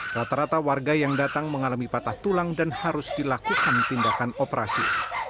rata rata warga yang datang mengalami patah tulang dan harus dilakukan tindakan operasi